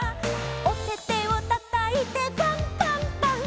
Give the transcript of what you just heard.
「おててをたたいてパンパンパン」